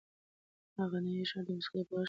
غنایي اشعار د موسیقۍ په غږ کې ډېر خوند ورکوي.